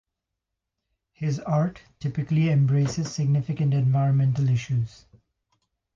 His art typically embraces significant environmental issues.